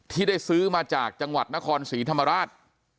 ที่ได้ซื้อมาจากจังหวัดนครศรีธรรมราช